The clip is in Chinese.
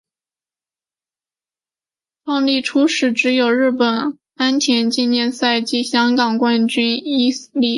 创立初时只有的日本安田纪念赛及香港冠军一哩赛两关。